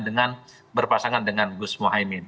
dengan berpasangan dengan gus mohaimin